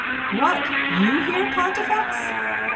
"What, you here, Pontifex!